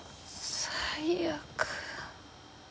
最悪。